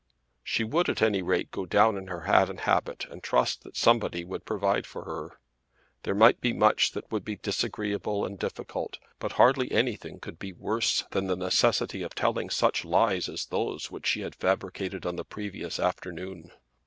She would at any rate go down in her hat and habit and trust that somebody would provide for her. There might be much that would be disagreeable and difficult, but hardly anything could be worse than the necessity of telling such lies as those which she had fabricated on the previous afternoon.